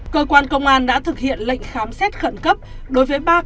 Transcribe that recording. cơ quan công an đã thực hiện lệnh khám xét khẩn cấp đối với ba công ty thay đổi